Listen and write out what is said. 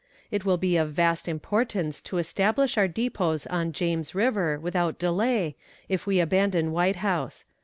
It will be of vast importance to establish our depots on James River, without delay, if we abandon White House.